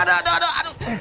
aduh aduh aduh